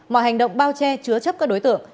mọi hành động bao che chứa chấp các đối tượng